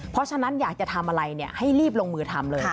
เพราะฉะนั้นอยากจะทำอะไรให้รีบลงมือทำเลย